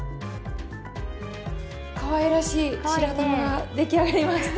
かわいらしい白玉が出来上がりました。